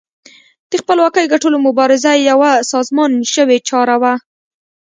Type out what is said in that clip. د خپلواکۍ ګټلو مبارزه یوه سازمان شوې چاره وه.